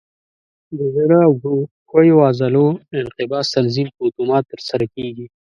د زړه او ښویو عضلو انقباض تنظیم په اتومات ترسره کېږي.